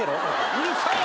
うるさいな！